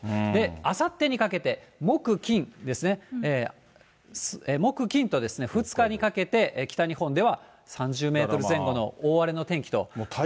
あさってにかけて、木、金ですね、木、金と２日にかけて北日本では３０メートル前後の大荒れの天気となりそうです。